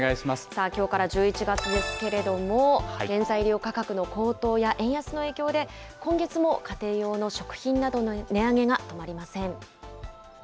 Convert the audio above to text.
さあ、きょうから１１月ですけれども、原材料価格の高騰や円安の影響で、今月も家庭用の食品などの値上げが止まりません。